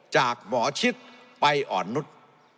จากหมอชิดไปอ่อนนุษย์